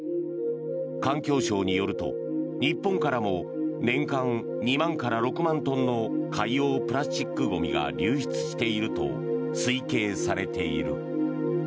環境省によると日本からも年間２万から６万トンの海洋プラスチックゴミが流出していると推計されている。